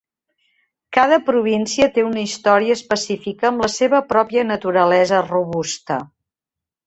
Cada província té una història específica amb la seva pròpia naturalesa robusta.